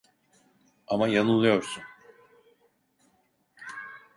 Ama yanılıyorsun.